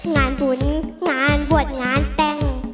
งานบุญงานบวชงานแต่ง